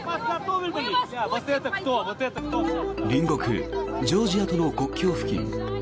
隣国ジョージアとの国境付近。